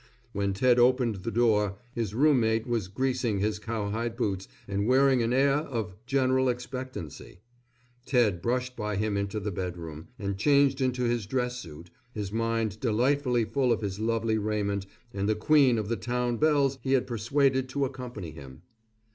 When Ted opened the door his roommate was greasing his cowhide boots, and wearing an air of general expectancy. Ted brushed by him into the bedroom, and changed into his dress suit, his mind delightfully full of his lovely raiment and the queen of the town belles he had persuaded to accompany him.